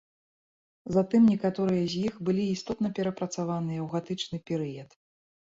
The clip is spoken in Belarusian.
Затым некаторыя з іх былі істотна перапрацаваныя ў гатычны перыяд.